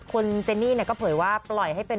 คุณเจนี่ก็เผยว่าปล่อยให้เป็น